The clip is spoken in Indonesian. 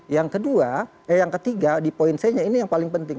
yang kedua yang ketiga di poin c nya ini yang paling penting